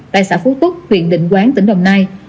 tại xã phú túc huyện định quán tỉnh đồng nai